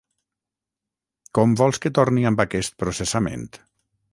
Com vols que torni amb aquest processament?